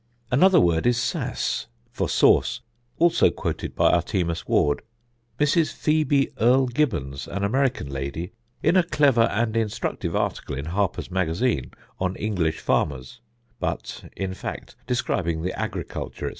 Another word is 'sass' (for sauce), also quoted by Artemus Ward.... Mrs. Phoebe Earl Gibbons (an American lady), in a clever and instructive article in Harper's Magazine on 'English Farmers' (but, in fact, describing the agriculture, &c.